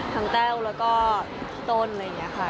แต้วแล้วก็ต้นอะไรอย่างนี้ค่ะ